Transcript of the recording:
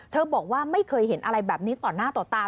บอกว่าไม่เคยเห็นอะไรแบบนี้ต่อหน้าต่อตา